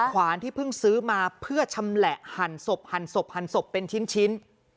ขวานที่เพิ่งซื้อมาเพื่อฉำแหละหั่นศพเป็นชิ้น